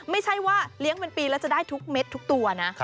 ไม่ใช่ว่าเลี้ยงเป็นปีแล้วจะได้ทุกเม็ดทุกตัวนะ